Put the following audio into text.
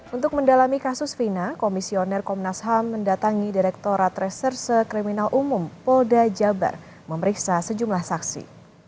untuk mendalami kasus fina komisioner komnas ham mendatangi direkturat reserse kriminal umum polda jabar memeriksa sejumlah saksi